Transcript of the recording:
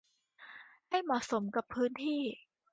ให้เหมาะสมกับพื้นที่